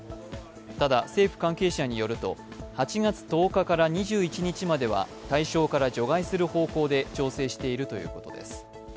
ただ政府関係者によると、８月１０日から２１日までは対象から除外する方向で調整しているということです。